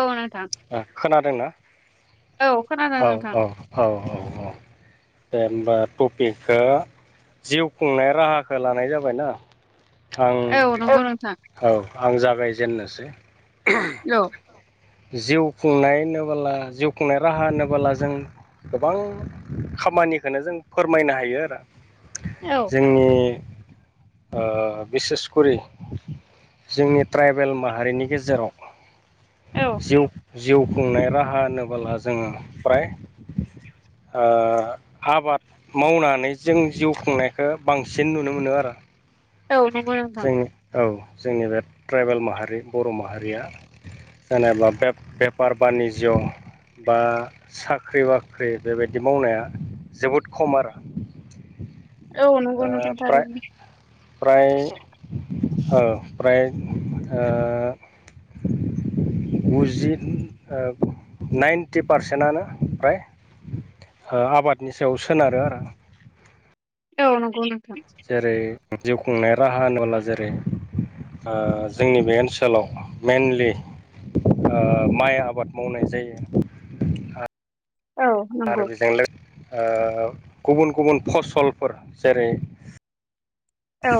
औ नोंथां ओ खोनादोंना औ खोनादों नोंथां औ-औ। औ-औ-औ दे होमबा टपिकगा जिउ खुंनाय राहाखौ लानाय जाबायना? आं औ नंगौ नोंथां औ आं जागायजेेननोसै। औ। जिउ खुंनाय होनोबोला जिउ खुंनाय राहा होनोबोला जों गोबां खामानिखौनो जों फोरमायनो हायो आरो। औ जोंनि ओ बिसेसखरि जोंनि ट्राइबेल माहारिनि गेजेराव औ जिउ-जिउ खुंनाय राहा होनोबोला जोङो फ्राय ओ आबाद मावनानै जों जिउ खुंनायखौ बांसिन नुनो मोनो आरो। औ नंगौ नोंथां। जोंनि औ जोंनि बे ट्राइबेल माहारि बर' माहारिया जेनेबा बेब बेफार बानि जिउ बा साख्रि-बाख्रि बेबायदि मावनाया जोबोद खम आरो। [inaudible] औ नंगौ नोंथां फ्राय थारैनो। फ्राय ओ फ्राय ओ गुजि ओ नाइन्टि पारसेन्टयानो फ्राय ओ आबादनि सायाव सोनारो आरो। औ नंगौ नोंथां। जेरै जिउ खुंनाय राहा होनोब्ला जेरै ओ जोंनि बे ओनसोलाव मेनलि ओ माइ आबाद मावनाय जायो। औ आरो नंगौ बेजों लो ओ गुबुन-गुबुन फसलफोर जेरै औ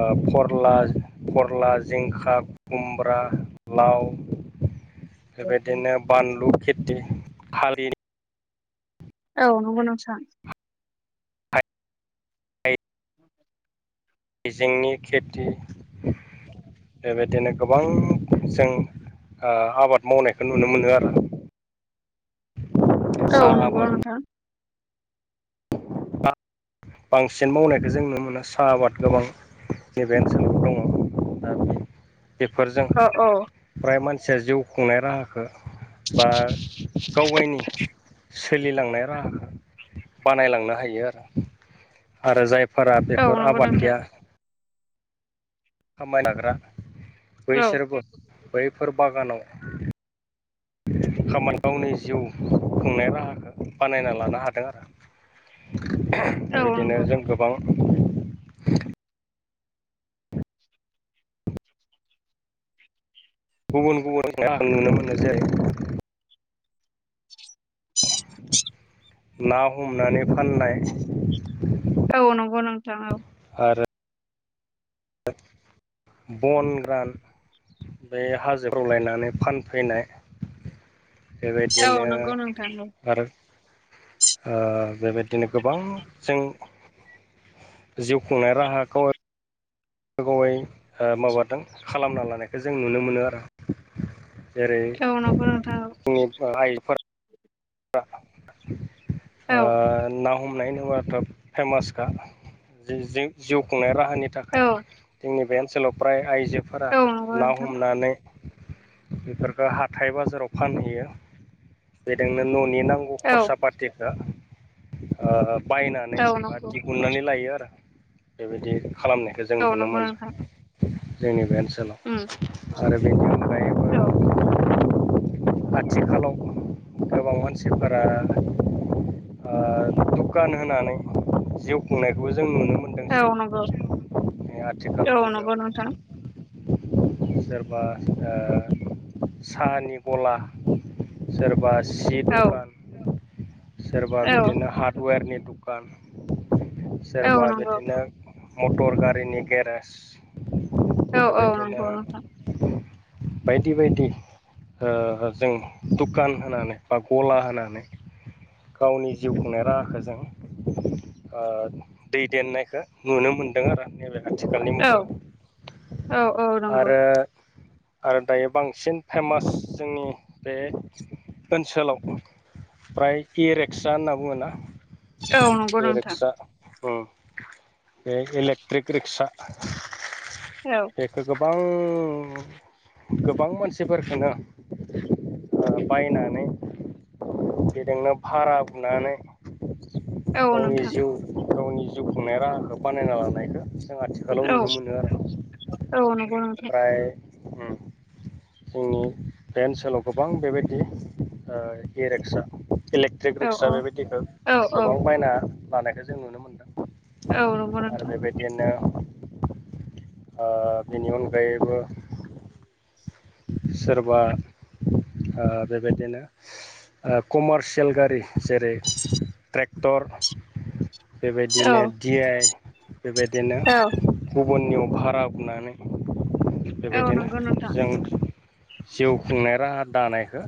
ओ फरला-फरला, जिंखा खुमब्रा, लाव बेबायदिनो बानलु खेति थालि औ नंगौ नोंथां। [inaudible] हायजेंनि खेति बेबायदिनो गोबां जों ओ आबाद मावनायखौ नुनो मोनो आरो। औ साहा नंगौ नोंथां। बां-बांसिन मावनायखौ जों नुनो मोना, साहा आबाद गोबां [unintelligible] बेफोरजों औ औ फ्राय मानसिया जिउ खुंनाय राहाखो बा गावगायनि सोलिलांनाय राहाखौ बानायलांनो हायो आरो आरो जायफोरा औ बेफोर नंगौ आबाद नोंथां गैया खामायनाग्रा औ बैसोरबो बैफोर बागानाव खामना गावनि जिउ खुंनाय राहाखौ बानायना लानो हादों आरो। बेबायदिनो औ जों नंगौ गोबां गुबुन गुबुन [unintelligible] नुनो मोनो जेरै [inaudible] ना हमनानै फाननाय औ नंगौ नोंथां औ आरो बन गोरान बे हाजोफ्राव लायनानै फानफैनाय औ बेबायदिनो नंगौ नोंथां आरो ओ बेबायदिनो गोबां जों जिउ खुंनाय राहाखौ बेफोरखौहाय ओ माबादों खालामना लानायखौ जों नुनो मोनो आरो। जेरै औ औ नंगौ नोंथां औ जोंनि आइफोर ओ ना हमनाय होनोबाथ' फेमासखा जि जिउ खुंनाय राहा [unintelligible] औ थाखाय जोंनि बे ओनसोलाव फ्राय आइजोफोरा औ नंगौ ना नोंथां हमनानै बेफोरखौ हाथाइ बाजाराव फानहैयो बेदोंनो न'नि नांगौ गौ औ खरसा पाटिखो ओ बायनानै औ बा नंगौ दिहुननानै लायो आरो बेबायदि खालामनायखौ जों जों औ नुनो नंगौ मोनो नोंथां जोंनि बे ओनसोलाव उम आरो बेनि अनगायै औ आथिखालाव गोबां मानसिफोरा ओ दुखान होनानै जिउ खुंनायखौबो जों नुनो मोनदोंसै औ नंगौ आथिखाल औ मुगायाव नंगौ नोंथां सोरबा ओ साहानि गला सोरबा सि औ दखान सोरबा बिदिनो औ हार्डवेरनि दुखान औ सोरबा नंगौ बिदिनो मटर गारिनि गेरेज औ औ बेबायदिनो नंगौ नोंथां बायदि बायदि ओ जों दुकान होनानै बा गला होनानै गावनि जिउ खुंनाय राहाखौ जों ओ दै देननायखौ नुनो मोनदों आरो नैबे आथिखालनि औ मुगायाव औ औ नंगौ आरो आरो दायो बांसिन फेमास जोंनि बे ओनसोलाव फ्राय इ रिक्सा होनना बुङोना। औ नंगौ इ नोंथां रिक्सा उम बे इलेक्ट्रिक रिक्सा [inaudible] [unintelligible] बेखौ गोबां गोबां मानसिफोरखौनो ओ बायनानै बेजोंनो भारा बुनानै औ गावनि नोंथां जिउ गावनि जिउ खुंनाय राहाखौ बानायना लानायखौ जों आथिखालाव औ नुनो मोनो आरो। औ नंगौ नों [unintelligible] जोंनि बे ओनसोलाव गोबां बेबायदि ओ इ-रिक्सा इलेक ट्रिक औ रिक्सा औ बेबायदिखौ औ औ गोबां बायना लानायखौ जों नुनो मोनदों। औ नंगौ आरो नोंथां बेबायदिनो बिनि अनगायैबो सोरबा ओ बेबायदिनो ओ कमारसियेल गारि जेरै ट्रेक्टर औ बेबायदिनो दि आइ बेबायदिनो औ गुबुननियाव भारा बुनानै औ बेबायदिनो नंगौ नोंथां जों जिउ खुंनाय राहा दानायखौ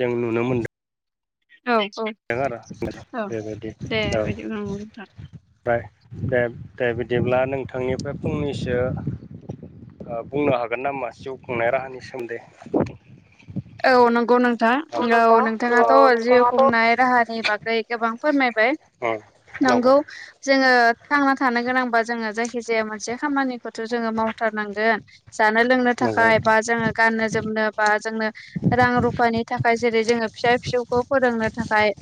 जों नुनो मोनदों औ औ आरो औ बेबायदि दे औ बिदिब्ला नंगौ नोंथां ओमफ्राय दे दे बिदिब्ला नोंथांनिफ्राय फंनैसो बुंनो हागोन नाामा जिउ खुंनाय राहानि सोमोन्दै औ नंगौ नोंथां औ नोंथां औ नोंथाङाथ' जिउ नोंथाङाथ' खुंनाय राहानि बागै ओमफ्राय गोबां फोरमायबाय नंगौ जोङो थांना थानो गोनांबा जोङो जायखिजाया मोनसे खामानिखौथ' जोङो मावथारनांगोन जानो लोंनो नंगौ थाखाय नोंथां बा जोङो- गाननो जोमनो बा जोंनो रां रुफानि थाखाय जेरै जोङो फिसा फिसौखौ फोरोंनो थाखाय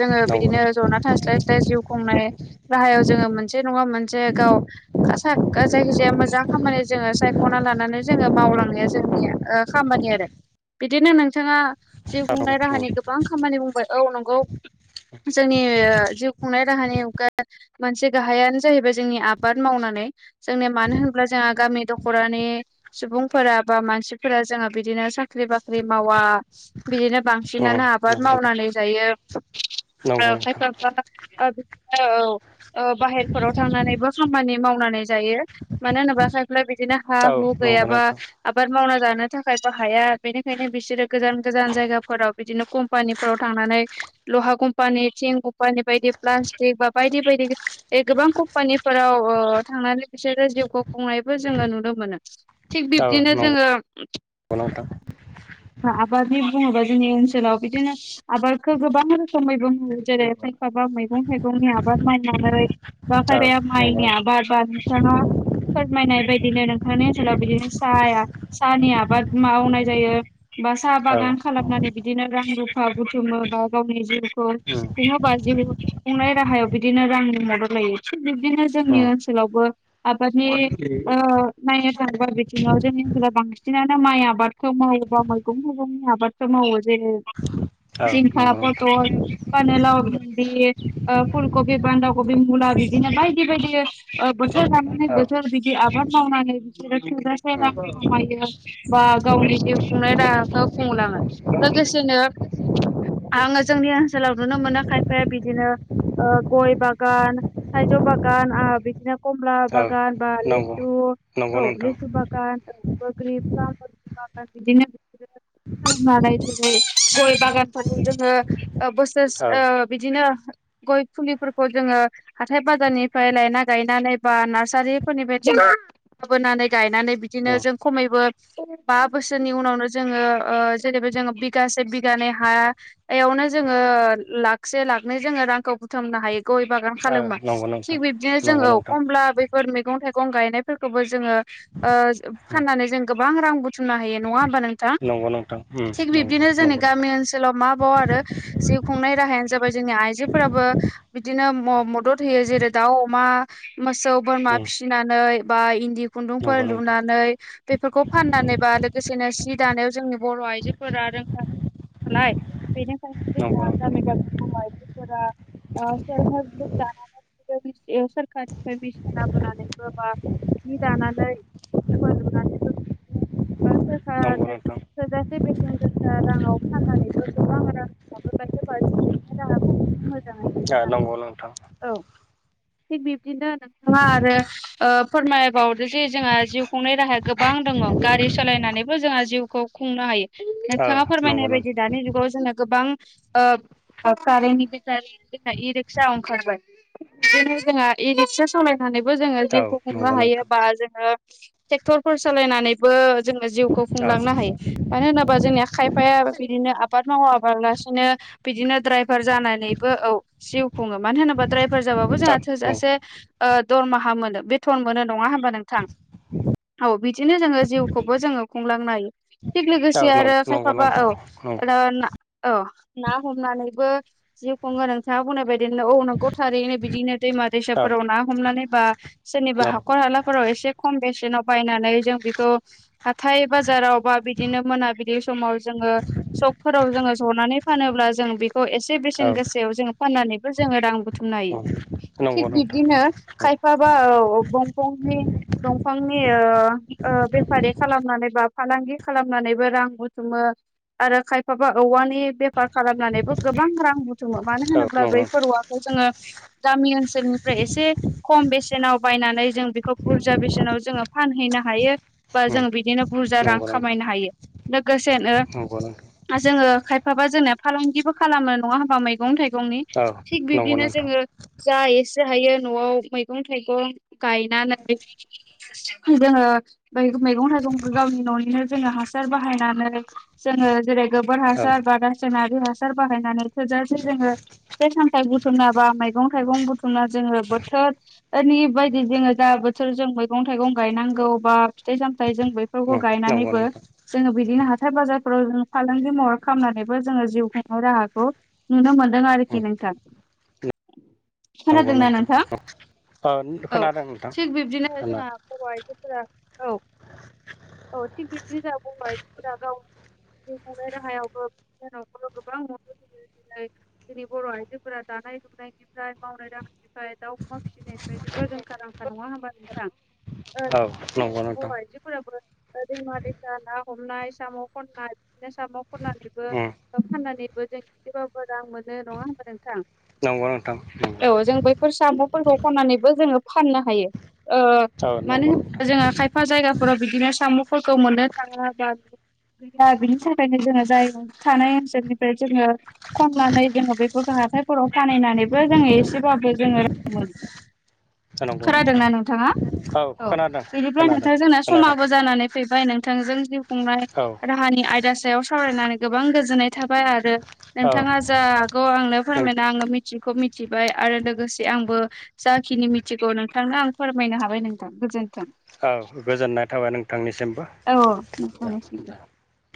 जोङो नंगौ बिदिनो नोंथां जना थांग सि्लाय सिथ्लाय जिउ खुंनाय राहायाव जोङो मोनसे नङा मोनसे गाव खासा जायखिजाया मोजां खामानि जोङो सायख'ना लानानै जोङो मावलांनाया जोंनिया ओ खामानि आरो बिदिनो नोंथाङा जिउ खुंनाय थारैनो राहानि गोबां खामानि बुंबाय औ नंगौ जोंनि जिउ खुंनाय राहानि अनगा मोनसे गाहायानो जाहैबाय जोंनि आबाद मावनानै जोंनिया मानो होन्ला जोंहा गामि दख'रानि सुबुंफोरा बा मानसिफोरा जोंहा बिदिनो स बाख्रि बाख्रि मावा बिदिनो उम बांसिनानो आबाद नंगौ मावनानै जायो। नोंथां नंगौ आरो नोंथां खायफा एफा ओ बिदिनो औ बाहेरफोराव थांनानैबो खामानि मावनानै जायो मानो होनोबा सायफ्लाय बिदिनो हा औ हु नंगौ गैयाबा नोंथां आबाद मावना जानो थाखायबो हाया बेनिखायनो बिसोरो गोजान गोजान जायगाफोराव बिदिनो कम्पानिफोराव थांनानै लुहा खौमपानि थिं म् बायदि पटिक बा बायदि बायदि गोबां कम्पानिफोराव ओ थांनानै बिसोरो जिउखौ खुंनायबो जोङो नुनो मोनो थिग औ बिब्दिनो नंगौ जोङो [unintelligible] [unintelligible] आबाद बुंङोबा जोंनसोला बिदिनो आबादखौ गोबां रोखोमैबो नो जेरै-खायखाबा मैगं थाइगंनि आबाद मावनानै [unintelligible] औ नंगौ नोंथां नोंथाङा फोरमायनाय बायदिनो नोंथांनि ओनसोलाव बिदिनो साया साहानि आबाद मावनाय जायो बा साहा औ बागान नंगौ खालामनानै बिदिनो रां रुफा बुथुमो बा गावनि उम जिउ [unintelligible] बा जिउ खुंनाय राहायाव बिदिनो रांनि मदद लायो थिग बिब्दिनो जोंनि उम ओनसोलावबो आबादनि नायनो थाङोबा बिथिङाव जोंनि ओनसोलाव बांसिनानो माइ आबाद खौ मावोबा मैगं-थाइगंनि आबादफोर मावो जे औ जिंखा, नंगौ नोंथां फटल पानिलाव [unintelligible] फुलकबि, बान्दा कबि, मुला बिदिनो बायदि बायदि बोथोर लाना नै औ बोथोर बेदि आबाद मावनानै बिसोरो उम [unintelligible] गावनि जिउ खुंनाय राहाखौ खुंलाङो लोगोसेनो आङो जोंनि ओनसोलाव नुनो मोनो खायफाया बिदिनो गय बागान थाइजौ बागान बिदिनो कमला औ बागान [unintelligible] बा नंगौ लेसु औ नंगौ नोंथां लिसु बागान बोग्रि बा बेदिनो फाननानै जेरै गय बागानफोर जोङो औ बोसोरसे बिदिनो गय फुलिफोरखौ जोङो हाथाय बाजारनिफ्राय लायना गायनानै बा नार्सारिफोरनि बायदि लाबोनानै गायनानै बिदिनो उम जों खमैबो बा बोसोरनि उनावनो जोङो जेनेबा जोङो बिगासे बिगानै हा बेयावनो जोङो लाख से लाखनो जोङो रांखौ बुथुमनो हायो। गय बागान औ खालामो नंगौ थिग नोंथां बिब्दिनो नंगौ जोङो नोंथां खमला फोर मैगं-थाइगं गायनायफोरखौबो जोङो उम फाननानै जों गोबां रां बु बुथुमनो हायो नङा होमबा नोंथां नंगौ नोंथां थिग बिब्दिनो जोंनि गामि ओनसोलाव माबाव आरो जिउ खुंनाय राहायानो जाबाय जोंनि आइजोफोराबो बिदिनो मदद होयो जेरै-दाउ, अमा मोसौ बोरमा उम फिसिनानै बा इन्दि खुन्दुंफोर नंगौ नंगौ नोंथां लुनानै बेफोरखौ फाननानै उम बा लोगोसेनो सि दानायाव जोंनि बर' आइजोफोरा रोंखा लाय बेनिखायनो नंगौ जोंना नोंथां गामि गामिखौ आइजोफोरा आ सेल हेलेफ ग्रुब दानानै सोरखारनिफ्राय मेसिन लाबोनानै बोबा जि दानानै [unintelligible] नंगौ [unintelligible] नोंथां थोजासे बेसेन गोसा राङाव फाननानैबो गोबां रां लाबोबाय होबाय नो राहाखौ बेखौ मोजांङै दैदेनलाङो नंगौ नोंथां औ थिग बिब्दिनो नोंथाङा आरो फोरमायबावदो जे जोंहा जिउ खुंनाय राहाया गोबां दङो गारि सालायनानैबो जोंहा जिउखौ खुंनो हायो ओ नोंथाङा नंगौ फोरमायनाय बायदि नोंथां दानि जुगाव जोंनो गोबां ओब खारेननि भेटारि इ रिकसा ओंखारबाय बिदिनो जोंहा ए रिकसा सलाय सानैबो जोङो औ जिउखौ खुंनो नंगौ नोंथां औ नंगौ हायो नोंथां बा जोङो ट्रेक्टरफोर सालायनानै बो जोङो जिउखौ औ खुंलांनो हायो। मानो होनोबा जोंनिया खायफाया बिदिनो आबाद मावाबालासिनो बिदिनो द्राइभार जानानैबो औ जिउ खुङो मानो होनोबा द्रायभार फोरफोर जाबाबो औ औ जोंहा थोजासे दरमाहा मोनो बेथन मोनो नङा होमबा नों थां औ बिदिनो जोङो जिउखौबो जोङो खुंलांनो हायो थिग लोगोसे आरो नंगौ खायफा नोंथां औ नंगौ ना हमनानैबो जिउ खुङो नोंथाङा बुंनाय बाय बिदिनो औ नंगौ थारैनो बिदिनो दैमा औ दैसाफोराव ना हमनानै बा सोरनिबा औ औ हाखर हालाफोराव एसे खम बेसेनाव बायनानै जों बेखौ हाथाय बाजाराव बा बिदिनो मोनाबिलि समाव जोङो सकफोराव जोङो जनानै फानोब्ला जों बे खौ एसे बेसेन गोसायाव जोंङो फाननानैबो जोंङो रां बुथुमनो औ हायो नंगौ थिग नोंथां बिबदिनो औ खायफाबा औ बंफंनि दंफांनि बे खालामनानै बा फालांगि खालामनानैबो रां बुथुमो आरो खायफाबा औवानि बेफार खालामनानैबो गोबां रां बुथुमो मानो औ होनोब्ला नंगौ बै नोंथां फोरखौ जोंङो गामि ओनसोलनिफ्राय एसे खम बेसेनाव बायनानै जों बेखौ बुरजा बेसेनाव जोंङो फानहैनो हायो। बा जों बिदिनो बुरजा रां नंगौ नोंथां खामायनो हायो लोगोसेनो नंगौ नोंथां जोंङो खायफाबा जोंनिया फालांगिबो खालामो नंङा होमबा मैगं थाइगंनि औ थिग नंगौ बिदिनो नोंथां जोंङो जा एसे हायो न'आव मैगं थाइगं गायनानै जोंङो बै मैगं थाइगंखौ गावनि न'निनो जोंङो हासार बाहायनानै जोंङो जेरै गोबोर औ हासार बा रासायनारि हासार बाहायनानै थोजासे जोंङो फिथाइ सामथाइ बुथुमना बा मैगं थाइगं बुथुमना जोंङो बोथोर नि बायदि जोंङो जा बोथोर जों मैगं थाइगं गायनांगौ बा फिथाइ सामथायाइ जों बै फोरखौ नंगौ गायनानैबो नोंथां जोंङो बिदिनो हाथाय बाजारफोराव जों फालांगि महर खालामनानैबो जोंङो जिउ खुंनो राहाखौ नुनो मोनदों आरोखि नोंथां खोनादोंना नोंथां औ औ खोनादों नोंथां थिग बिब्दिनो खोनादों जोंहा बर' आइजोफोरा औ [inaudible] औ थिग बिबदि जा बर' आयजोफोरा गाव जिस खुंनाय राहायावबो बिबदिनो न'खराव गोबां मदद होयो जाय जोंनि बर' आइजोफोरा दानाय लुनायनिफ्राय मावनाय दांनाय निफ्राय दाउ अमा फिसिनायनिफ्राय जेबो रोंखा रांखा नङा होमबा औ नंगौ नोंथां फोराबो दैमा दैसा ना हमनाय साम' खननाय बिदिनो साम' खननानैबो बा फाननानैबो जों एसेबाबो रां मोनो नङा होनोमबा नोंथां। नंगौ नोंथां नंगौ फोर साम'फोरखौ खननानैबो जोंङो फाननो हायो औ मानो नंगौ होन नोंथां जोंङो खायफा जायगाफोराव बिदिनो साम'फोरखौ मोननो थाङो बा गैया बिनि थाखायनो जोंङो जायो थानाय ओनसोलनिफ्राय जोंङो खननानै जोंङो बेफोरखौ हाथायफोराव फाननानैबो जोंङो एसेबाबो जोंङो मोन जानांगौ नोंथां औ खोनादों बिनिफ्राय खोनादों नोंथां जोंना खोनादों समाबो जानानै फैबाय नोंथांजों जिउ खुंनाय औ रा हानि आयदा सायाव सावरायनानै गोबां गोजोननाय थाबाय आरो औ नोंथाङा जा हागौ आंनो फोरमायना आङो मिथिखौ मिथिबाय आरो लोगोसे आंबो जाखिनि मिथिगौ नोंथांनो आं फोरमायनो हाबाय नोंथां गोजोन औ गोजोननाय थाबाय नोंथांनिसिमबो औ नोंथांनिसिमबो